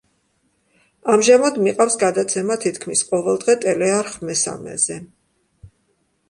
ამჟამად მიყავს გადაცემა „თითქმის ყოველდღე“ ტელეარხ „მესამეზე“.